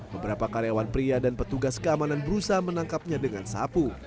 beberapa karyawan pria dan petugas keamanan berusaha menangkapnya dengan sapu